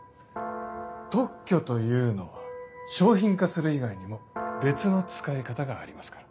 特許というのは商品化する以外にも別の使い方がありますから。